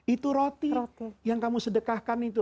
itu roti yang kamu sedekahkan itu